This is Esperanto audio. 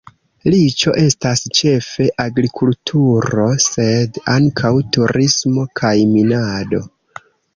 Riĉo estas ĉefe agrikulturo, sed ankaŭ turismo kaj minado.